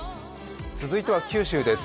続いては九州です。